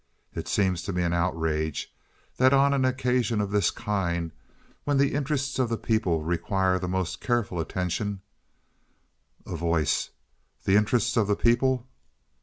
It seems to me an outrage, that, on an occasion of this kind, when the interests of the people require the most careful attention—" A Voice. "The interests of the people!"